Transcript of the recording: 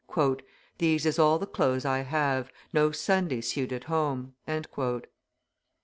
"These is all the clothes I have, no Sunday suit at home."